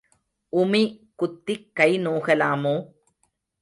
உமி குத்திக் கை நோகலாமோ?